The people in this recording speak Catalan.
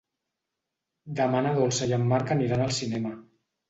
Demà na Dolça i en Marc aniran al cinema.